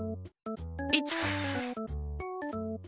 １！